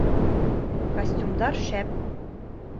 Костюмдар шәп